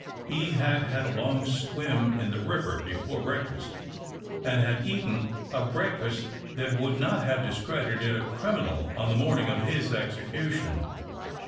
He had had a lono swim in the ri\'er l)efore breakfast, and had eaten a breakftist that would not have discredited a criminal on the mornimx of his execution.